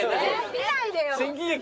見ないでよ。